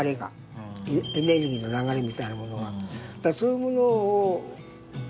エネルギーの流れみたいなものが。